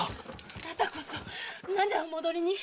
あなたこそなぜお戻りに？